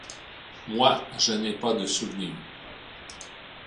Moi, je n'ai pas de souvenirs…